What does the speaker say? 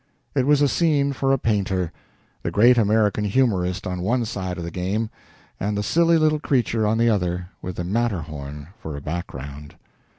It was a scene for a painter: the great American humorist on one side of the game, and the silly little creature on the other, with the Matterhorn for a background.